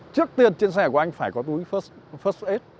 trước tiên trên xe của anh phải có túi first aid